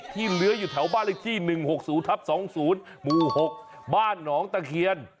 ที่เหลืออยู่แถวบ้านที่๑๖๒๐๖บ้านหนองตะเคียน